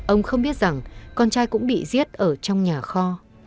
ông không biết rằng con trai cũng bị giết ở trong nhà kho